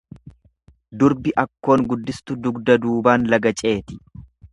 Durbi akkoon guddistu dugda duubaan laga ceeti.